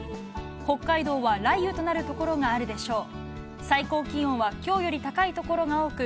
北海道は雷雨となる所があるでしょう。